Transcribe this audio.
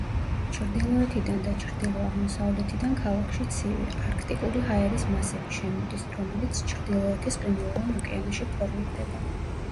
ჩრდილოეთიდან და ჩრდილო-აღმოსავლეთიდან ქალაქში ცივი, არქტიკული ჰაერის მასები შემოდის, რომელიც ჩრდილოეთის ყინულოვან ოკეანეში ფორმირდება.